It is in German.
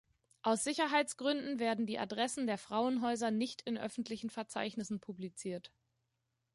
Aus Sicherheitsgründen werden die Adressen der Frauenhäuser nicht in öffentlichen Verzeichnissen publiziert.